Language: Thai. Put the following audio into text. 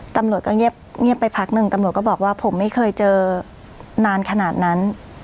ตำรวจก็เงียบไปพักหนึ่งตำรวจก็บอกว่าผมไม่เคยเจอนานขนาดนั้น